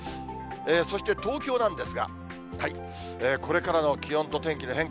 そして東京なんですが、これからの気温と天気の変化。